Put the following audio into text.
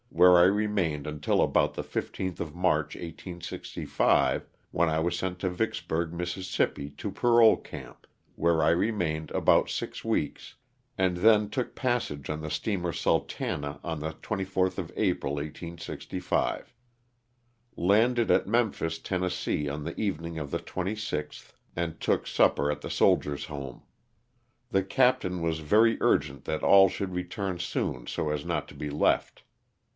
where I remained until about the 15th of March, 1865, when I was sent to Vicks burg, Miss., to parole camp, where I remained about six weeks and then took passage on the steamer " Sul tana " on the Sith of April, 1865. Landed at Mem phis, Tenn., on the evening of the 26th, and took supper at the Soldiers' Home. The captain was very urgent that all should return soon so as not to be left.